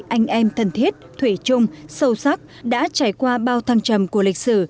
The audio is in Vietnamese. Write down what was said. anh em thân thiết thủy chung sâu sắc đã trải qua bao thăng trầm của lịch sử